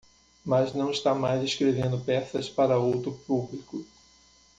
Mas não está mais escrevendo peças para outro público.